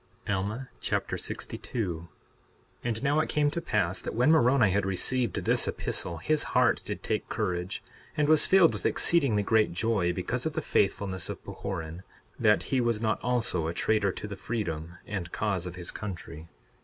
Alma Chapter 62 62:1 And now it came to pass that when Moroni had received this epistle his heart did take courage, and was filled with exceedingly great joy because of the faithfulness of Pahoran, that he was not also a traitor to the freedom and cause of his country.